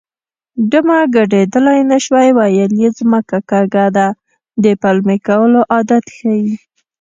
ډمه ګډېدلی نه شوه ویل یې ځمکه کږه ده د پلمې کولو عادت ښيي